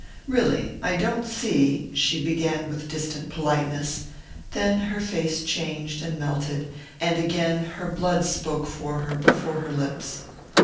"Really, I don't see " she began with distant politeness; then her face changed and melted, and again her blood spoke for her before her lips.